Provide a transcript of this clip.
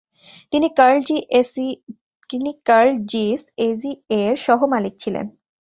তিনি Carl Zeiss AG এর সহ-মালিক ছিলেন।